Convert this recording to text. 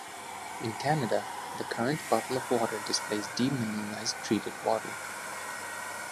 In Canada, the current bottle of water displays "Demineralized Treated Water".